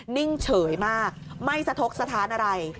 นิ่งเฉยมากไม่สะทกสถานอะไร